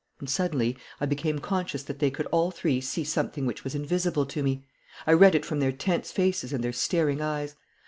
And suddenly I became conscious that they could all three see something which was invisible to me. I read it from their tense faces and their staring eyes.